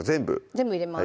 全部入れます